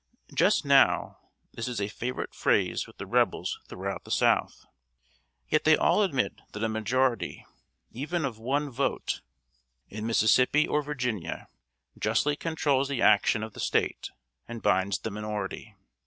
Just now, this is a favorite phrase with the Rebels throughout the South. Yet they all admit that a majority, even of one vote, in Mississippi or Virginia, justly controls the action of the State, and binds the minority.